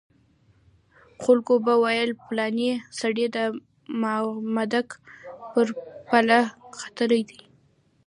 خلکو به ویل پلانی سړی د مامدک پر پله ختلی دی.